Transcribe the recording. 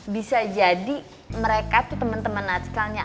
bisa jadi mereka tuh temen temen atskalnya